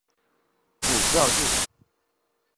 主教制。